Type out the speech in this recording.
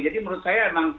jadi menurut saya emang